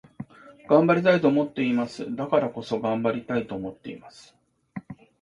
頑張りたいと思っています。だからこそ、頑張りたいと思っています。